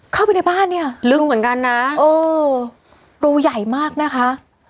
เข้าไปในบ้านเนี่ยโอ้รูใหญ่มากนะคะลึกเหมือนกันนะ